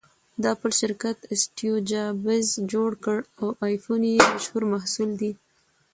د اپل شرکت اسټیوجابز جوړ کړ٬ او ایفون یې مشهور محصول دی